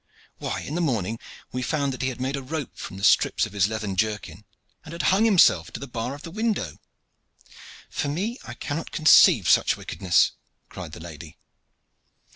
Why, in the morning we found that he had made a rope from strips of his leathern jerkin, and had hung himself to the bar of the window." "For me, I cannot conceive such wickedness!" cried the lady.